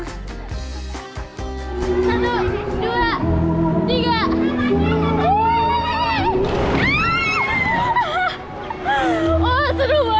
seru banget gimana suruh suruh eh kita dandan dulu yuk sebelum lanjut main